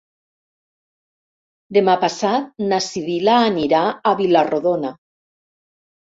Demà passat na Sibil·la anirà a Vila-rodona.